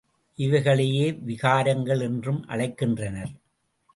இவைகளையே விகாரங்கள் என்றும் அழைக்கின்றனர்.